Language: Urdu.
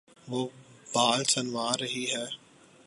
وہ بال سنوار رہی ہے